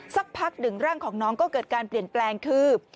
สักพักหนึ่งร่างของน้องก็เกิดการเปลี่ยนแปลงคือ